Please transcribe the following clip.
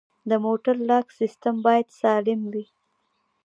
د موټر لاک سیستم باید سالم وي.